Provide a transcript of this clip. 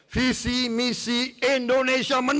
visi misi indonesia menang